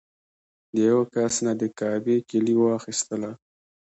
د یوه کس نه د کعبې کیلي واخیستله.